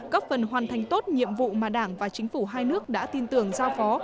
góp phần hoàn thành tốt nhiệm vụ mà đảng và chính phủ hai nước đã tin tưởng giao phó